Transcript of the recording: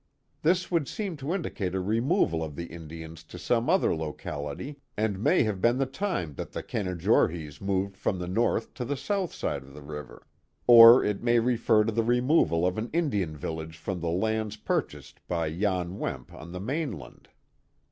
This would seem to indicate a removal of the Indians to some other locality and may have been the time that the Canajor hees moved from the north to the south side of the river, or it may refer to the ri^movnl of an Indian village from the lands purchased by Jan Wemp on the mainland.